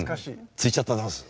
着いちゃったダンス。